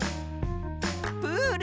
プール。